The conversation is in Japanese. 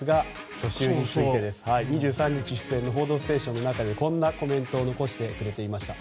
去就について２３日出演の「報道ステーション」の中でこんなコメントを残してくれていました。